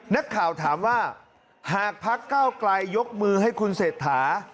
นักข่าวถามว่าหากพักเก้าไกลยกมือให้คุณเศรษฐา